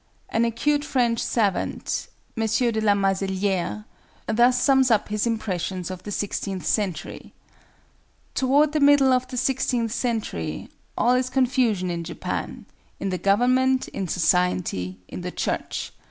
An acute French savant, M. de la Mazelière, thus sums up his impressions of the sixteenth century:—"Toward the middle of the sixteenth century, all is confusion in Japan, in the government, in society, in the church.